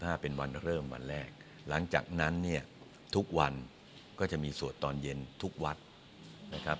ถ้าเป็นวันเริ่มวันแรกหลังจากนั้นเนี่ยทุกวันก็จะมีสวดตอนเย็นทุกวัดนะครับ